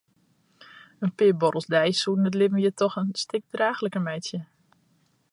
In pear buorrels deis soe it libben hjir dochs in stik draachliker meitsje.